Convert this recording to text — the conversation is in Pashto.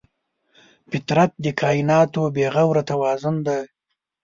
فطرت د کایناتو بېغوره توازن دی.